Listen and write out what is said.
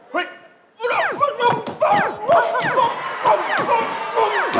ผมว่าท่านโใช่หรือ